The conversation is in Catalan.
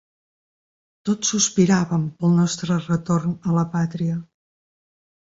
Tots sospiràvem pel nostre retorn a la pàtria.